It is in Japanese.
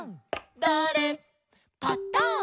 「だれ？パタン」